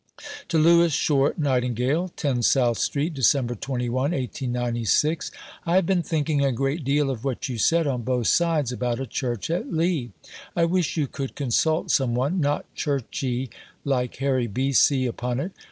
(To Louis Shore Nightingale.) 10 SOUTH STREET, Dec. 21 . I have been thinking a great deal of what you said on both sides about a Church at Lea. I wish you could consult some one, not Church y, like Harry B. C., upon it.